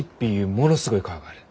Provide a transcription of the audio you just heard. ものすごい川がある。